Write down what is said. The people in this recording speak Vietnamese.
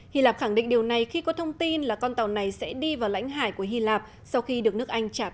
hy lạc khẳng định điều này khi có thông tin là con tàu này sẽ đi vào lãnh hải của hy lạc sau khi được nước anh trả tự do